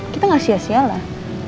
kita gak sia sia lah